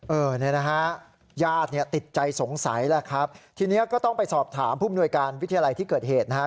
เออเนี่ยนะฮะญาติเนี่ยติดใจสงสัยแล้วครับทีนี้ก็ต้องไปสอบถามผู้มนวยการวิทยาลัยที่เกิดเหตุนะฮะ